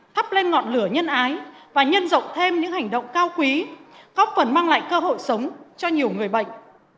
thắp lên ngọn lửa nhân ái và nhân rộng thêm những hành động cao quý góp phần mang lại cơ hội sống cho nhiều người bệnh